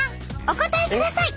お答えください！